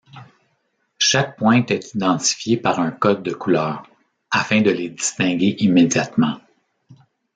Chaque pointe est identifiée par un code de couleur, afin de les distinguer immédiatement.